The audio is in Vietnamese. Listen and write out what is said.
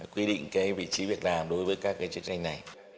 quy định vị trí việt nam đối với các truyền tranh này